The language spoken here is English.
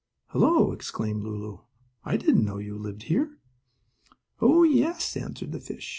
"Hello!" exclaimed Lulu; "I didn't know you lived here." "Oh, yes," answered the fish.